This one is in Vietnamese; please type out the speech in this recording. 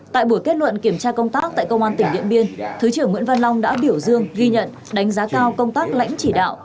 tại buổi kết luận kiểm tra công tác tại công an tỉnh điện biên thứ trưởng nguyễn văn long đã biểu dương ghi nhận đánh giá cao công tác lãnh chỉ đạo